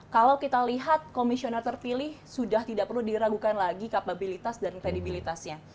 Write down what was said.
kalau kita lihat komisioner terpilih sudah tidak perlu diragukan lagi kapabilitas dan kredibilitasnya